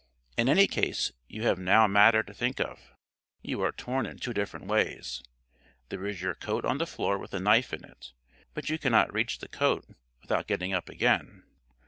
In any case you have now matter to think of. You are torn in two different ways. There is your coat on the floor with a knife in it, but you cannot reach the coat without getting up again.